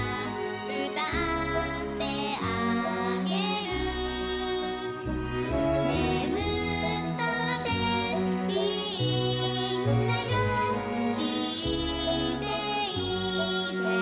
「うたってあげる」「ねむったっていいんだよきいていてね、、、」